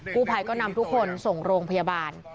ผู้ภัยก็นำทุกคนส่งโรงพยาบาล